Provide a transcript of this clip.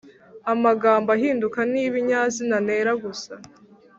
amagambo ahinduka ni ibinyazina, ntera gusa